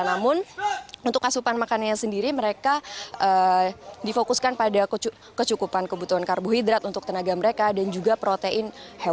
namun untuk asupan makanannya sendiri mereka difokuskan pada kecukupan kebutuhan karbohidrat untuk tenaga mereka dan juga protein hewan